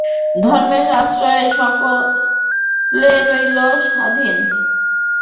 ধর্মের আশ্রয়ে সকলে রইল স্বাধীন।